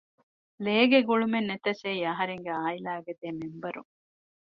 ލޭގެ ގުޅުމެއްނެތަސް އެއީ އަހަރެންގެ ޢާއިލާގެ ދެ މެމްބަރުން